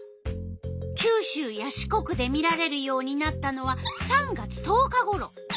九州や四国で見られるようになったのは３月１０日ごろ。